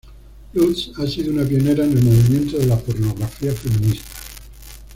Lust ha sido una pionera en el movimiento de la pornografía feminista.